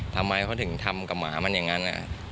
ทำไมเขาถึงทำกับหมามันอย่างนั้น